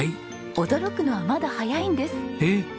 驚くのはまだ早いんです。